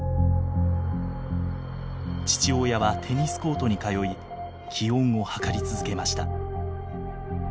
父親はテニスコートに通い気温を測り続けました。